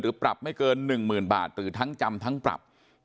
หรือปรับไม่เกิน๑หมื่นบาทหรือทั้งจำทั้งปรับ